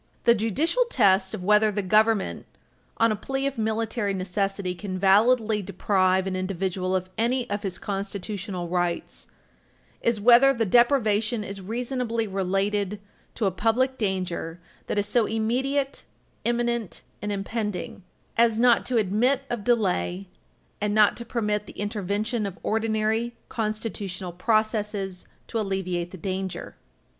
The judicial test of whether the Government, on a plea of military necessity, can validly deprive an individual of any of his constitutional rights is whether the deprivation is reasonably related to a public danger that is so "immediate, imminent, and impending" as not to admit of delay and not to permit the intervention of ordinary constitutional processes to alleviate the danger.